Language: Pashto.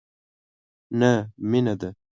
نه مینه ده،